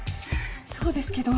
そうですけど。